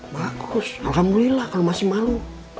bagus alhamdulillah kalau masih malu